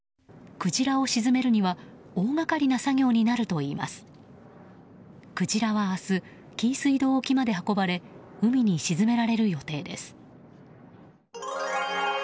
クジラは明日紀伊水道沖まで運ばれ海に沈められる予定です。